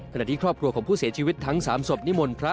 ที่ครอบครัวของผู้เสียชีวิตทั้ง๓ศพนิมนต์พระ